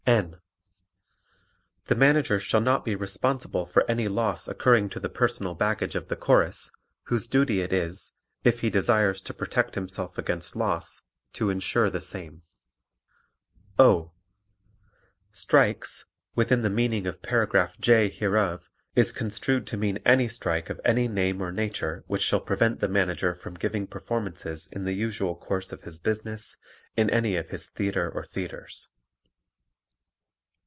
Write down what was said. N. The Manager shall not be responsible for any loss occurring to the personal baggage of the Chorus, whose duty it is, if he desires to protect himself against loss, to insure the same. O. Strikes, within the meaning of Paragraph J hereof, is construed to mean any strike of any name or nature which shall prevent the Manager from giving performances in the usual course of his business in any of his theatre or theatres.